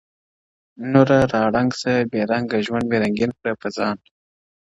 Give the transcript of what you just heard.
نوره را ړنگه سه بې رنگ ژوند مي رنگین کړه په ځان’